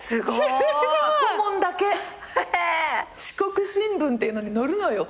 四国新聞っていうのに載るのよ